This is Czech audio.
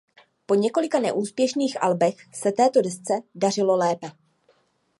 Po několika neúspěšných albech se této desce dařilo lépe.